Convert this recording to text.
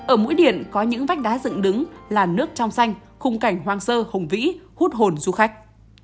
ở mũi điện có những vách đá dựng đứng là nước trong xanh khung cảnh hoang sơ hùng vĩ hút hồn du khách